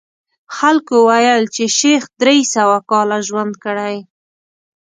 خلکو ویل چې شیخ درې سوه کاله ژوند کړی.